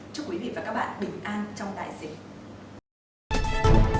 chúc quý vị và các bạn bình an trong đại dịch